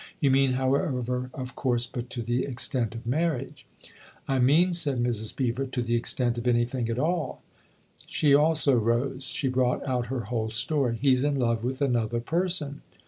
You mean, however, of course, but to the extent of marriage." " I mean," said Mrs. Beever, " to the extent of anything at all." She also rose ; she brought out her whole story. " He's in love with another person."